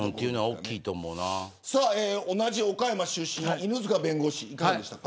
同じ岡山出身の犬塚弁護士いかがでしたか。